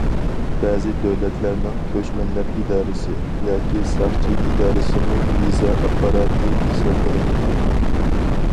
بەزى دۆلەتلەرنىڭ كۆچمەنلەر ئىدارىسى ياكى ساقچى ئىدارىسىمۇ ۋىزا ئاپپاراتى ھېسابلىنىدۇ.